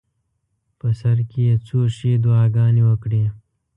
په سر کې یې څو ښې دعاګانې وکړې.